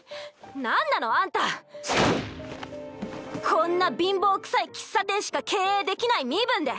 こんな貧乏くさい喫茶店しか経営できない身分で！